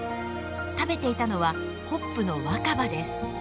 食べていたのはホップの若葉です。